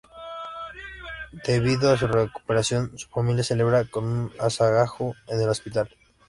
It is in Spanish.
Debido a su recuperación, su familia celebra con un agasajo en el hospital.